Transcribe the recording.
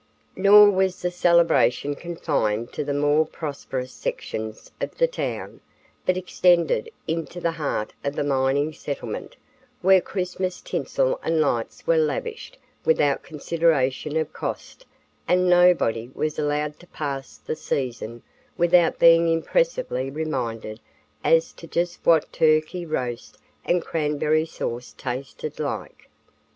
Nor was the celebration confined to the more prosperous sections of the town, but extended into the heart of the mining settlement, where Christmas tinsel and lights were lavished without consideration of cost and nobody was allowed to pass the season without being impressively reminded as to just what turkey roast and cranberry sauce tasted like.